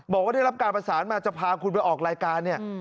บอกว่าได้รับการประสานมาจะพาคุณไปออกรายการเนี่ย